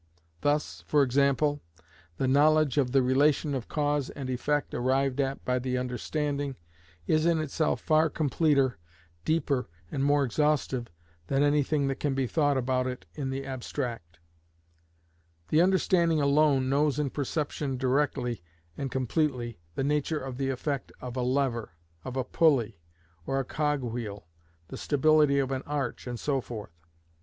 Thus, for example, the knowledge of the relation of cause and effect arrived at by the understanding, is in itself far completer, deeper and more exhaustive than anything that can be thought about it in the abstract; the understanding alone knows in perception directly and completely the nature of the effect of a lever, of a pulley, or a cog wheel, the stability of an arch, and so forth.